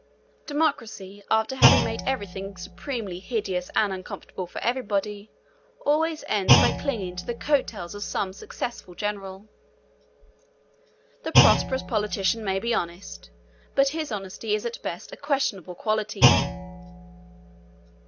Democracy, after having made everything supremely hideous and uncomfortable for everybody, always ends by clinging to the coat tails of some successful general. The prosperous politician may be honest, but his honesty is at best a questionable quality.